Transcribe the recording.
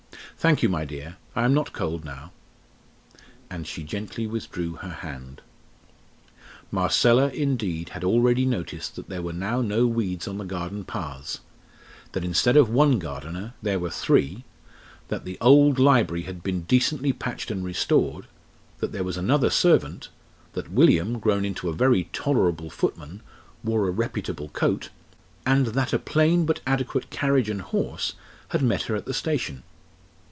Thank you, my dear. I am not cold now." And she gently withdrew her hand. Marcella, indeed, had already noticed that there were now no weeds on the garden paths, that instead of one gardener there were three, that the old library had been decently patched and restored, that there was another servant, that William, grown into a very tolerable footman, wore a reputable coat, and that a plain but adequate carriage and horse had met her at the station.